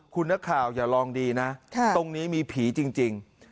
คุณนักข่าวอย่าลองดีนะตรงนี้มีผีจริง